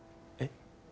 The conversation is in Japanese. えっ？